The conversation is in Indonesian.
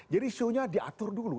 jadi siapapun yang diatur dulu